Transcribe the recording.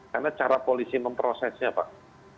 karena cara polisi memprosesnya pak